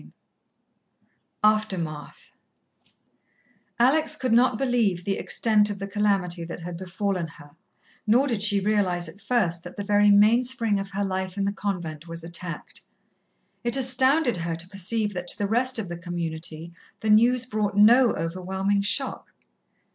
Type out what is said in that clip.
XX Aftermath Alex could not believe the extent of the calamity that had befallen her, nor did she realize at first that the very mainspring of her life in the convent was attacked. It astounded her to perceive that to the rest of the community the news brought no overwhelming shock.